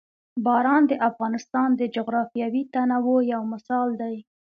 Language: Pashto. باران د افغانستان د جغرافیوي تنوع یو مثال دی.